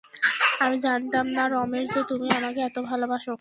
আমি জানতাম না রমেশ, যে তুমি আমাকে এত ভালোবাসো।